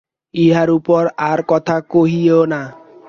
ইহার উপর আর কথা কহিয়ো না।